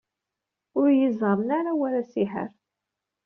Ur iyi-ẓerren ara war asihaṛ.